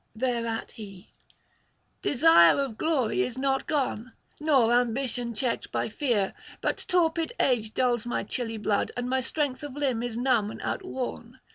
Thereat he: 'Desire of glory is not gone, nor ambition checked by fear; but torpid age dulls my chilly blood, and my strength of limb is numb and outworn.